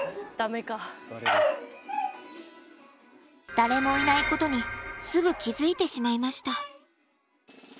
誰もいないことにすぐ気づいてしまいました。